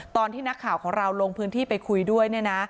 ตอนที่นักข่าวของเราลงพื้นที่ไปคุยด้วยเนี่ยนะ